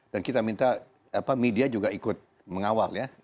dan kita minta media juga ikut mengawal ya